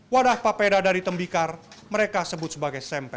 wadah papeda dari tembikar mereka sebut sebagai sempe